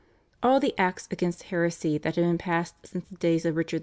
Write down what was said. All the Acts against heresy that had been passed since the days of Richard II.